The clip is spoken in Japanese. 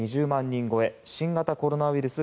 人超え新型コロナウイルス